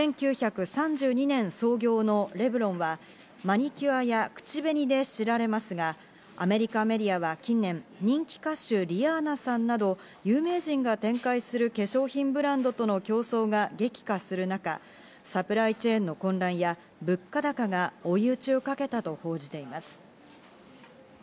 １９３２年創業のレブロンはマニキュアや口紅で知られますが、アメリカメディアは近年、人気歌手リアーナさんなど、有名人が展開する化粧品ブランドとの競争が激化する中、サプライチェーンの混乱や物価高が追い打ちをかけたと報じています。